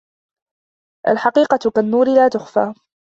الحقيقة كالنور لا تخفى.